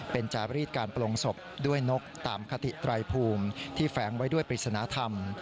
เป็นจารีดการปลงศพด้วยนกตามคติไตรภูมิที่แฝงไว้ด้วยปริศนธรรม